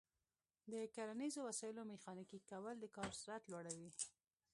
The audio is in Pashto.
د کرنیزو وسایلو میخانیکي کول د کار سرعت لوړوي.